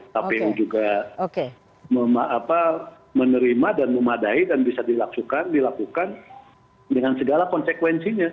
kpu juga menerima dan memadai dan bisa dilakukan dengan segala konsekuensinya